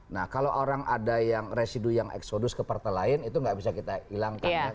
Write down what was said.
nah kalau orang ada yang residu yang eksodus ke partai lain itu nggak bisa kita hilangkan